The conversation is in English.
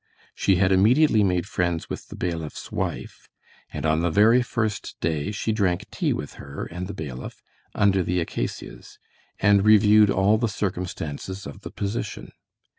She had immediately made friends with the bailiff's wife, and on the very first day she drank tea with her and the bailiff under the acacias, and reviewed all the circumstances of the position.